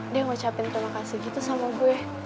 dia ngucapin terima kasih gitu sama gue